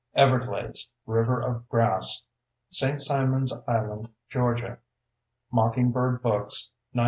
Everglades: River of Grass. St. Simons Island, Georgia: Mockingbird Books, 1974.